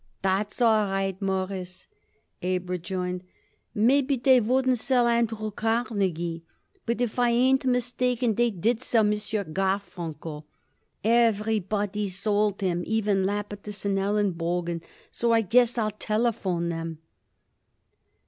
"That's all right, Mawruss," Abe rejoined. "Maybe they wouldn't sell Andrew Carnegie, but if I ain't mistaken they did sell M. Garfunkel. Everybody sold him, even Lapidus & Elenbogen. So I guess I'll telephone 'em."